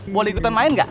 boleh ikutan main gak